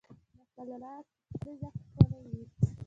د خپل لاس رزق ښکلی وي.